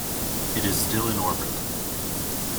It is still in orbit.